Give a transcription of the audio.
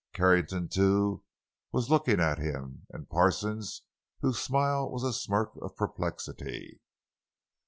Carrington, too, was looking at him, and Parsons, whose smile was a smirk of perplexity.